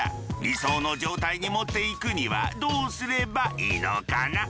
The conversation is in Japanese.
理想の状態に持っていくにはどうすればいいのかな？